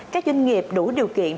các doanh nghiệp đủ điều kiện